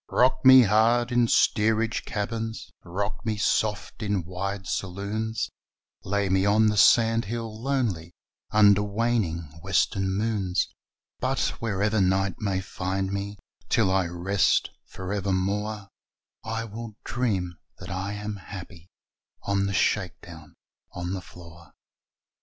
Rock me hard in steerage cabins, Rock me soft in first saloons, Lay me on the sandhill lonely Under waning Western moons ; But wherever night may find me Till I rest for evermore I shall dream that I am happy In the shakedown on the floor.